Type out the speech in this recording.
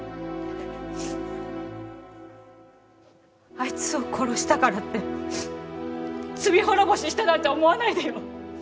あいつを殺したからって罪滅ぼししたなんて思わないでよ！